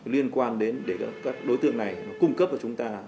liên quan đến để các đối tượng này cung cấp cho chúng ta